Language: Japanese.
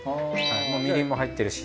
もうみりんも入ってるし。